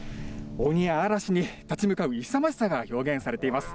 鬼や嵐に立ち向かう勇ましさが表現されています。